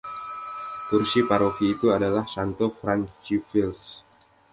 Kursi paroki itu adalah Santo Francisville.